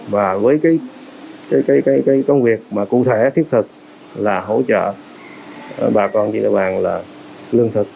và với cái công việc cụ thể thiết thực là hỗ trợ bà con trên địa bàn là lương thực